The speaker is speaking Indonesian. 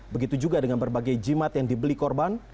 begitu juga dengan berbagai jimat yang dibeli korban